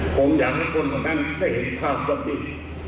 ผมอยากให้คนของมันได้เห็นภาพแบบนี้